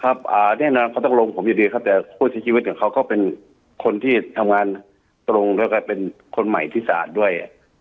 แน่นอนเขาต้องลงผมอยู่ดีครับแต่ผู้ที่ชีวิตของเขาก็เป็นคนที่ทำงานตรงแล้วก็เป็นคนใหม่ที่ศาสตร์ด้วย